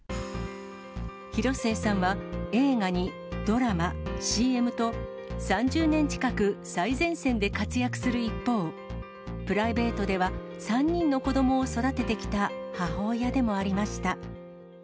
広末さんは、映画にドラマ、ＣＭと、３０年近く最前線で活躍する一方、プライベートでは３人の子どもを育ててきた母親でもありました。